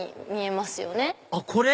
あっこれ？